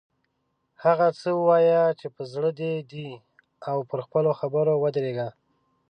هغه څه ووایه چې په زړه دې وي او پر خپلو خبرو ودریږه.